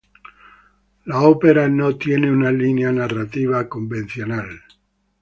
La ópera no tiene una línea narrativa convencional.